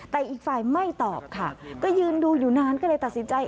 แต่อีกฝ่ายไม่ตอบค่ะก็ยืนดูอยู่นานก็เลยตัดสินใจ